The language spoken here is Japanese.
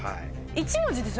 １文字です。